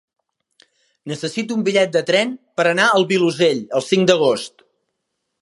Necessito un bitllet de tren per anar al Vilosell el cinc d'agost.